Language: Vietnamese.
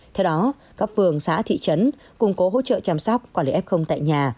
theo đó các phường xã thị trấn củng cố hỗ trợ chăm sóc quản lý f tại nhà